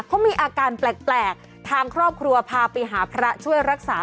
เขามีอาการแปลกทางครอบครัวพาไปหาพระช่วยรักษา